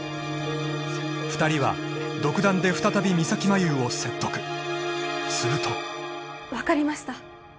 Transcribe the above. ２人は独断で再び三咲麻有を説得すると分かりました